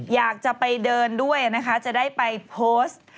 อยากจะไปเดินด้วยนะคะจะได้ไปโพสต์